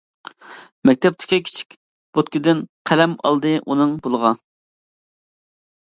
مەكتەپتىكى كىچىك بوتكىدىن، قەلەم ئالدى ئۇنىڭ پۇلىغا.